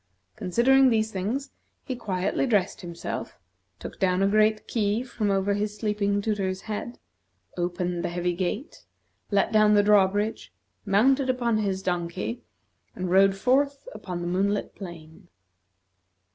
Considering these things, he quietly dressed himself, took down a great key from over his sleeping tutor's head, opened the heavy gate, let down the drawbridge, mounted upon his donkey, and rode forth upon the moonlit plain.